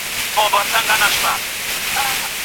موسیقي کولای سي مزاج بدل کړي.